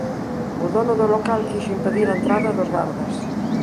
O dono do local quixo impedir a entrada dos gardas.